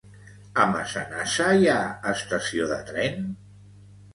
A Massanassa hi ha estació de tren?